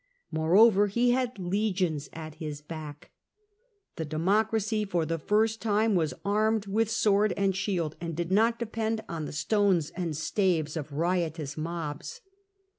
Moreover, he had legions at his back ; the democracy for the first time was armed with sword and shield, and did not depend on the stones and staves of riotous mobs.